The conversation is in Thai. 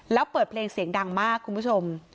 แล้วเปิดเพลงเสียงดังมากคุณผู้ชม